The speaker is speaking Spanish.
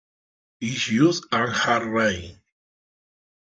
It's just a hard rain".